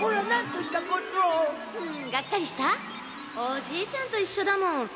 ・おじいちゃんと一緒だもん